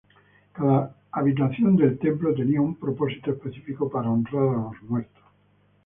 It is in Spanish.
Cada habitación del templo tenía un propósito específico para honrar a los muertos.